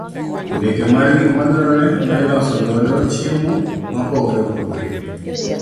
Andike mar gik ma dwarore ma iloso godo chiemo ma opogore opogore.